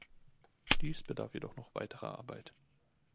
Dies bedarf jedoch noch weiterer Arbeit.